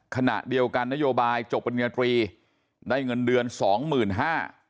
ขณะเดียวกันนโยบายจบเป็นเงินตรีได้เงินเดือน๒๕๐๐๐บาท